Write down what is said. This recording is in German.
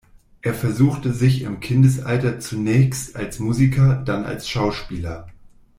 Er versuchte sich im Kindesalter zunächst als Musiker, dann als Schauspieler.